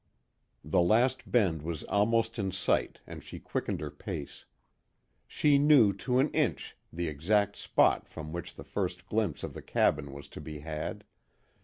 The last bend was almost in sight and she quickened her pace. She knew to an inch, the exact spot from which the first glimpse of the cabin was to be had.